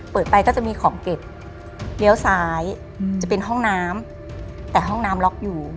ไปก็จะมีของเก็บเลี้ยวซ้ายจะเป็นห้องน้ำแต่ห้องน้ำล็อกอยู่